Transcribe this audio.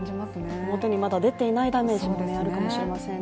表にまだ出ていないダメージもあるかもしれませんね。